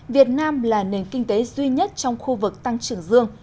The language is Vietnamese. việt nam là nền kinh tế duy nhất trong khu vực tăng trưởng dương